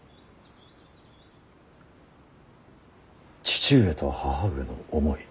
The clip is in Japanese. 父上と義母上の思い